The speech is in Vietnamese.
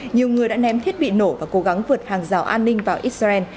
nhiều người đã ném thiết bị nổ và cố gắng vượt hàng rào an ninh vào israel